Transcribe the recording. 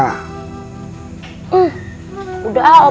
dan kamu sudah berangkat ke korea